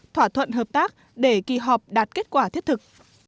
thỏa thuận hợp tác để kỳ họp đạt kết quả thiết thực